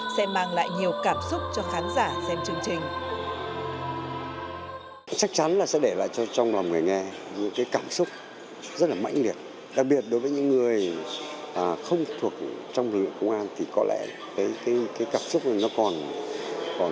sẽ mang lại nhiều cảm xúc cho khán giả xem chương trình